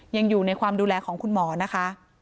ยังอยู่ในความดูแลของคุณหมอนะคะ